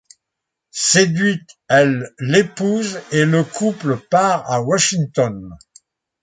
Séduite, elle l'épouse et le couple part à Washington.